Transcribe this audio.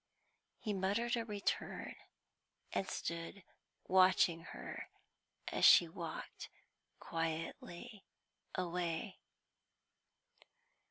He muttered a return, and stood watching her as she walked quietly away.